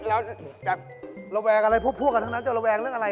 ระวังอะไรพวกพวกกันทั้งนั้นจะระวังเรื่องอะไร